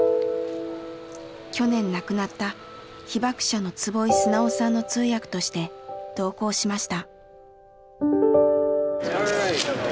去年亡くなった被爆者の坪井直さんの通訳として同行しました。